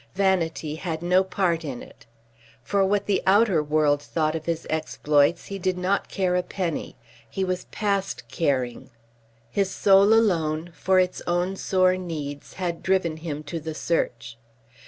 Vanity had no part in it. For what the outer world thought of his exploits he did not care a penny. He was past caring. His soul alone, for its own sore needs, had driven him to the search.